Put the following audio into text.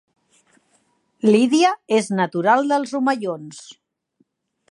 Lídia és natural dels Omellons